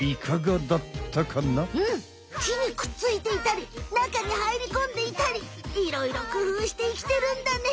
うん木にくっついていたり中に入りこんでいたりいろいろくふうして生きてるんだね！